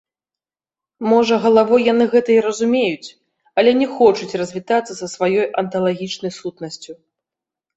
Можа, галавой яны гэта і разумеюць, але не хочуць развітацца са сваёй анталагічнай сутнасцю.